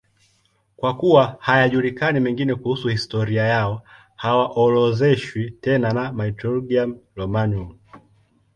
Kwa kuwa hayajulikani mengine kuhusu historia yao, hawaorodheshwi tena na Martyrologium Romanum.